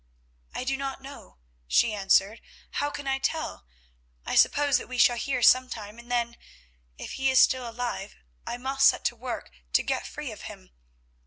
"I do not know," she answered, "how can I tell? I suppose that we shall hear sometime, and then, if he is still alive, I must set to work to get free of him.